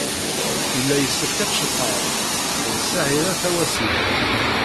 Yella yessefk ad tceḍḥeḍ ed Saɛida Tawasift.